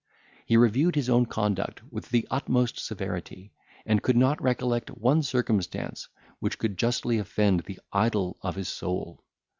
He reviewed his own conduct with the utmost severity, and could not recollect one circumstance which could justly offend the idol of his soul.